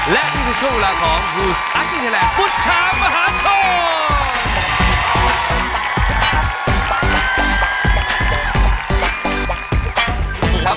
และนี่คือช่วงราคมรู้สึกอาทิตย์แหละพุทธชาติมหาโทร